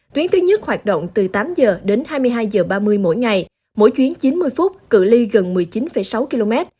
tuyến thứ nhất hoạt động từ tám h đến hai mươi hai h ba mươi mỗi ngày mỗi chuyến chín mươi phút cự ly gần một mươi chín sáu km